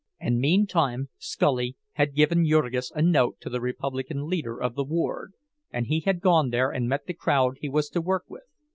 And meantime Scully had given Jurgis a note to the Republican leader of the ward, and he had gone there and met the crowd he was to work with.